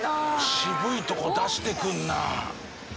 渋いとこ出してくるな。